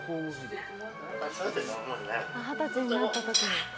二十歳になった時の。